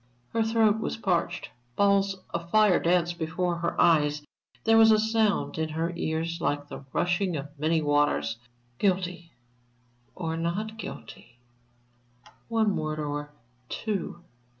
Her throat was parched, balls of fire danced before her eyes, there was a sound in her ears like the rushing of many waters. Guilty or not guilty? One word or two?